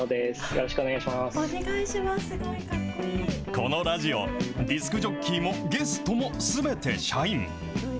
このラジオ、ディスクジョッキーもゲストもすべて社員。